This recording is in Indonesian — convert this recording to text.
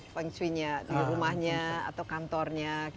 feng shui nya di rumahnya atau kantornya gitu